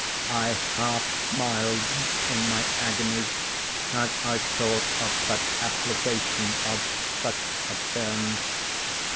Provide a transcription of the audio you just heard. I half smiled in my agony as I thought of such application of such a term.